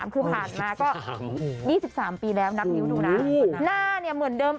คือผ่านมาก็๒๓ปีแล้วนับนิ้วดูนะหน้าเนี่ยเหมือนเดิม